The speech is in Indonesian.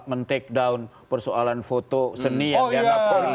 men take down persoalan foto seni yang dianggap polri